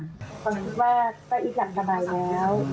ผมคิดว่าป้าอี๊ดหลั่งดำเนินแล้ว